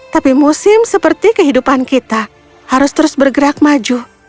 tapi musim seperti kehidupan kita harus terus bergerak maju